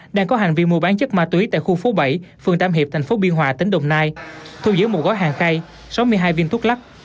đang có hành vi mua bán chất ma túy tại khu phố bảy phường tam hiệp tp biên hòa tỉnh đồng nai thu giữ một gói hàng khay sáu mươi hai viên thuốc lắc